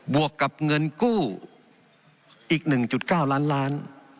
วกกับเงินกู้อีก๑๙ล้านล้าน